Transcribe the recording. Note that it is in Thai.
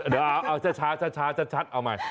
เดี๋ยวเอาช้าชัดเอาใหม่